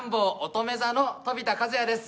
乙女座の飛田和哉です。